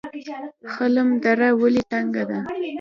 خلم دره ولې تنګه ده؟